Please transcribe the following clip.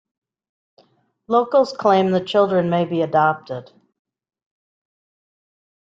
Locals claim the children may be adopted.